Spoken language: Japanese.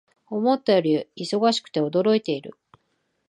思ったより忙しくて驚いている